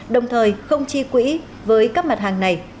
đồng thời không chi quỹ với các mặt hàng này